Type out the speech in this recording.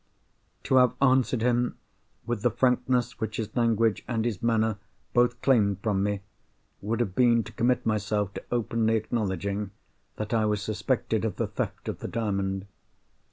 To have answered him with the frankness which his language and his manner both claimed from me, would have been to commit myself to openly acknowledging that I was suspected of the theft of the Diamond.